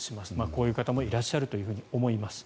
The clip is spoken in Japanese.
こういう方もいらっしゃると思います。